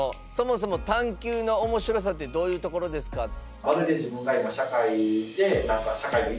そもそも探究の面白さってどういうところですか？